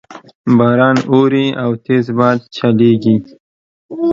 باران اوري او تیز باد چلیږي